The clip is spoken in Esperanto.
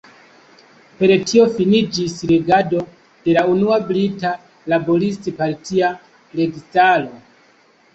Per tio finiĝis regado de la unua brita Laborist-partia registaro.